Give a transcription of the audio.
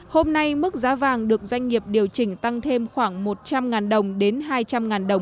hôm nay mức giá vàng được doanh nghiệp điều chỉnh tăng thêm khoảng một trăm linh đồng đến hai trăm linh đồng